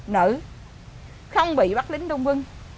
người nữ không bị bắt lính đông quân